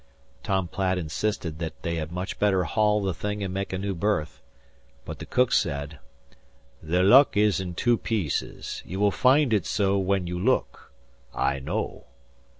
Tom Platt insisted that they had much better haul the thing and make a new berth. But the cook said: "The luck iss in two pieces. You will find it so when you look. I know."